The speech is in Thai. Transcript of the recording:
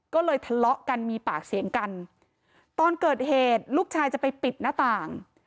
ก็เลยทะเลาะกันมีปากเสียงกันตอนเกิดเหตุลูกชายจะไปปิดหน้าต่าง